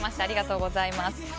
ありがとうございます。